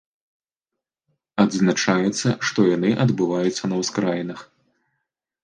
Адзначаецца, што яны адбываюцца на ўскраінах.